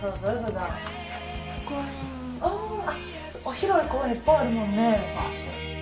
広い公園いっぱいあるもんね。